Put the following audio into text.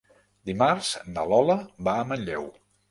Dimarts na Lola va a Manlleu.